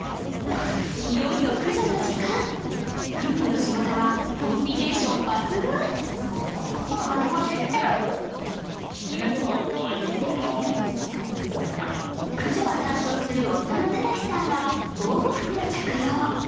いよいよ駆除の時間夫婦の仕事はコンビネーション抜群駆除を担当する夫の周士さんは防護服を着用